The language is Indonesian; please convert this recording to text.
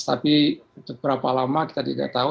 tapi untuk berapa lama kita tidak tahu